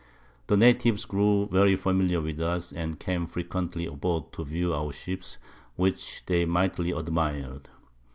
The Natives grew very familiar with us, and came frequently aboard to view our Ships, which they mightily admir'd.